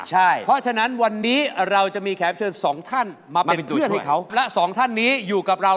ใช่เพราะฉะนั้นวันนี้เราจะมีแขกเชิญ๒ท่านมาเป็นเพื่อนให้เขา